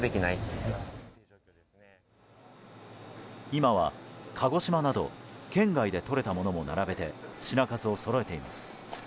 今は鹿児島など県外でとれたものも並べて品数をそろえています。